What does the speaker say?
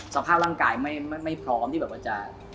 สภาพร่างกายไม่พร้อมที่แบบว่าจะ